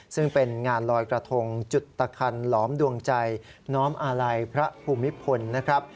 ซึ่งเป็นงานลอยกระทงจุดตะคันหลอมดวงใจน้อมอาลัยพระภูมิพลนะครับ